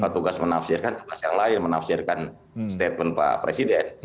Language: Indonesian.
tugas menafsirkan tugas yang lain menafsirkan statement pak presiden